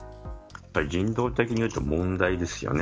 人道的に言うと問題ですよね。